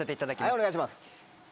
お願いします。